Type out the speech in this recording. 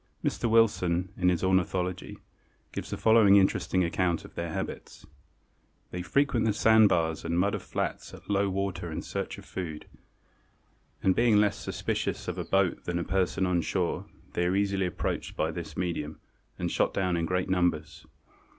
Mr. Wilson, in his Ornithology, gives the following interesting account of their habits: "They frequent the sandbars and mud of flats at low water in search of food and, being less suspicious of a boat than of a person on shore, they are easily approached by this medium and shot down in great numbers.